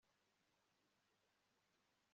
nubwo kubabaza atari, ngombwa